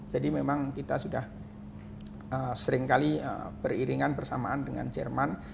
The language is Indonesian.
jadi memang kita sudah seringkali beriringan bersamaan dengan jerman